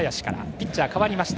ピッチャーが代わりました。